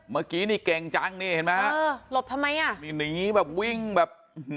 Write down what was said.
เมื่อกี้นี่เก่งจังนี่เห็นไหมฮะเออหลบทำไมอ่ะนี่หนีแบบวิ่งแบบ